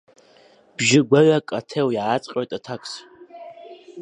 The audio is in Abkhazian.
Бжьы гәаҩак аҭел иааҭҟьоит аҭакс.